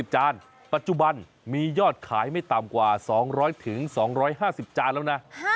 จานปัจจุบันมียอดขายไม่ต่ำกว่า๒๐๐๒๕๐จานแล้วนะ